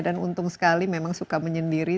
dan untung sekali memang suka menyendiri